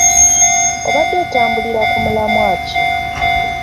Obadde otambulira ku mulamwa ki?